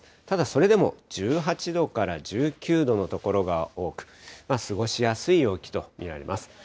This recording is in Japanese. ただそれでも１８度から１９度の所が多く、過ごしやすい陽気と見られます。